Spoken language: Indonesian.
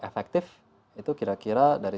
efektif itu kira kira dari